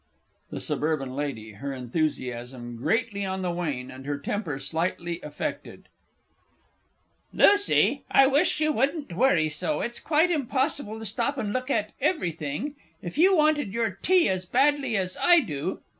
THE S. L. (her enthusiasm greatly on the wane, and her temper slightly affected). Lucy, I wish you wouldn't worry so it's quite impossible to stop and look at everything. If you wanted your tea as badly as I do!